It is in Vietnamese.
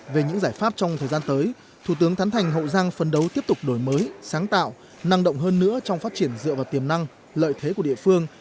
về những giải pháp trong thời gian tới thủ tướng thắn thành hậu giang phấn đấu tiếp tục đổi mới sáng tạo năng động hơn nữa trong phát triển dựa vào tiềm năng lợi thế của địa phương